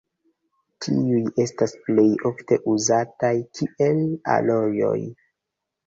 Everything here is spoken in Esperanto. Tiuj estas plej ofte uzataj kiel alojoj.